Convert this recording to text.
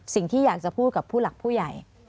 สิ่งที่อยากจะพูดกับผู้หลักผู้ใหญ่